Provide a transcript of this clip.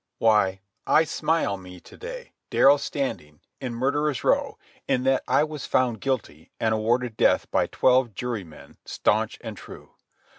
Why, I smile me to day, Darrell Standing, in Murderers' Row, in that I was found guilty and awarded death by twelve jurymen staunch and true.